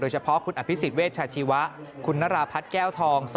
เฉพาะคุณอภิษฎเวชาชีวะคุณนราพัฒน์แก้วทอง